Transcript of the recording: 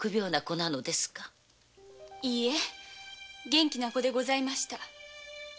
元気な子でございました。